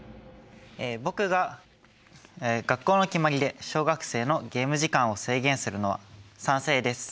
僕が学校の決まりで小学生のゲーム時間を制限するのは賛成です。